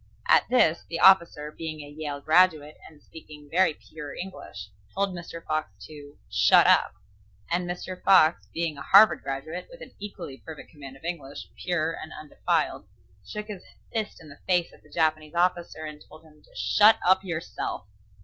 At this the officer, being a Yale graduate, and speaking very pure English, told Mr. Fox to "shut up," and Mr. Fox being a Harvard graduate, with an equally perfect command of English, pure and undefiled, shook his fist in the face of the Japanese officer and told him to "shut up yourself."